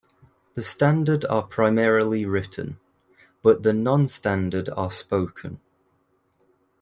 The standard are primarily written, but the non-standard are spoken.